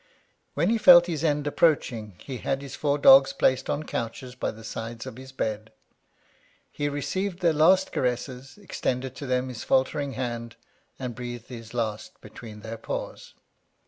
When he felt his end approaching, he had his four dogs placed on. couches by the sides of his bed. He received their last caresses, extended to them his faltering hand, and breathed his last between their paws.